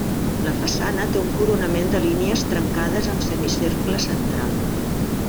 La façana té un coronament de línies trencades amb semicercle central.